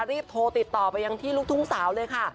รีบโทรติดต่อไปยังที่ลูกทุ่งสาวเลยค่ะ